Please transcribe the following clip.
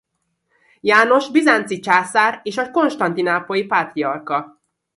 János bizánci császár és a konstantinápolyi pátriárka.